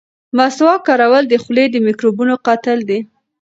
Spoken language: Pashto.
مسواک کارول د خولې د میکروبونو قاتل دی.